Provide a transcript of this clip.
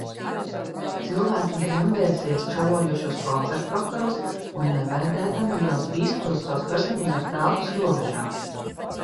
Cilvēki gremdēsies čalojošos koncertvakaros un nebēdādami ļaus izplūst savas personīgās telpas robežām.